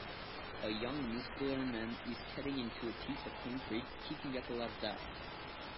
A young muscular man is cutting into a piece of concrete kicking up a lot of dust